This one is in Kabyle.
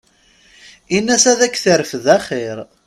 Ina-s ad k-terfed axir.